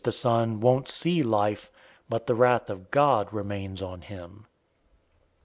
} the Son won't see life, but the wrath of God remains on him."